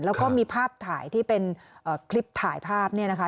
แล้วก็มีภาพถ่ายที่เป็นคลิปถ่ายภาพเนี่ยนะคะ